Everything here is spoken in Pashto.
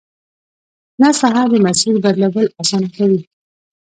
شنه ساحه د مسیر بدلول اسانه کوي